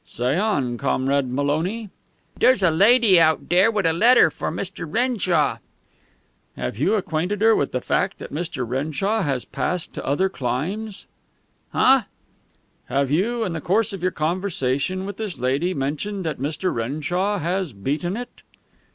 "Say on, Comrade Maloney." "Dere's a loidy out dere wit a letter for Mr. Renshaw." "Have you acquainted her with the fact that Mr. Renshaw has passed to other climes?" "Huh?" "Have you, in the course of your conversation with this lady, mentioned that Mr. Renshaw has beaten it?"